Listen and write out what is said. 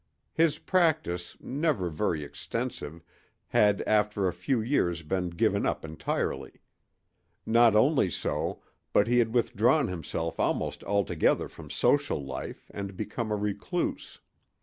His practice, never very extensive, had after a few years been given up entirely. Not only so, but he had withdrawn himself almost altogether from social life and become a recluse.